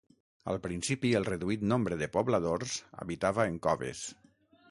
Al principi el reduït nombre de pobladors habitava en coves.